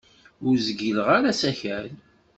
Ur zgileɣ ara asakal.